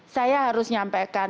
saya harus nyampaikan